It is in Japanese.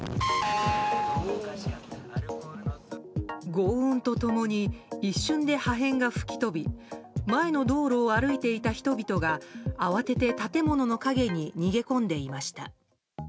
轟音と共に一瞬で破片が吹き飛び前の道路を歩いていた人々が慌てて建物の陰に逃げ込んでいました。